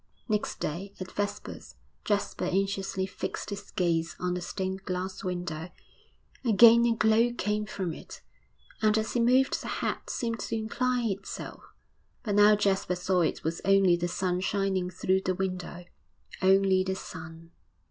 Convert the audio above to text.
... VII Next day, at vespers, Jasper anxiously fixed his gaze on the stained glass window again a glow came from it, and as he moved the head seemed to incline itself; but now Jasper saw it was only the sun shining through the window only the sun!